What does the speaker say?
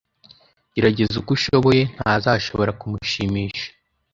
Gerageza uko ashoboye, ntazashobora kumushimisha.